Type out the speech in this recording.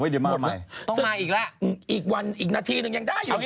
ต้องมาอีกแล้วอีกวันอีกนาทีนึงยังได้อยู่